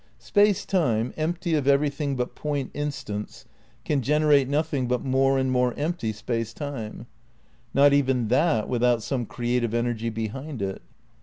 Space Time, empty of everything but point instants^ can generate nothing but more and more empty Space Time ; not even that without some creative energy be hind it.